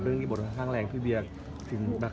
เอางี้ดีกว่า